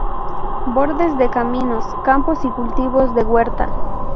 Bordes de caminos, campos y cultivos de huerta.